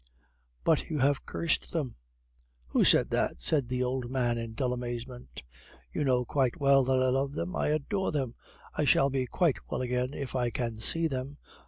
"But you have cursed them." "Who said that!" said the old man in dull amazement. "You know quite well that I love them, I adore them! I shall be quite well again if I can see them....